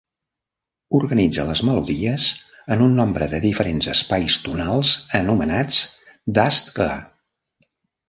Organitza les melodies en un nombre de diferents espais tonals anomenats Dastgah.